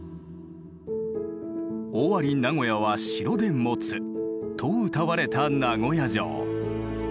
「尾張名古屋は城でもつ」とうたわれた名古屋城。